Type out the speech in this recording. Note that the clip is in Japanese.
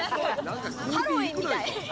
ハロウィーンみたい。